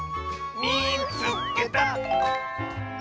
「みいつけた！」。